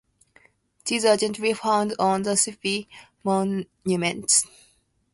These are generally found on the "cippi" monuments.